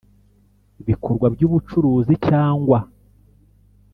Bikorwa by ubucuruzi cyangwa